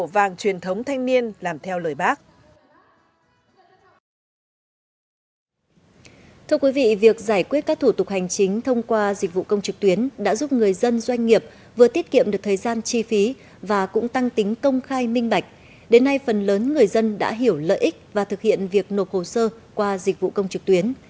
vì việc giải quyết các thủ tục hành chính thông qua dịch vụ công trực tuyến đã giúp người dân doanh nghiệp vừa tiết kiệm được thời gian chi phí và cũng tăng tính công khai minh bạch đến nay phần lớn người dân đã hiểu lợi ích và thực hiện việc nộp hồ sơ qua dịch vụ công trực tuyến